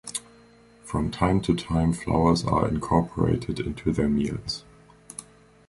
From time to time, flowers are incorporated into their meals.